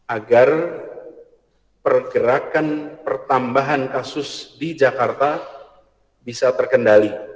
agar pergerakan pertambahan kasus di jakarta bisa terkendali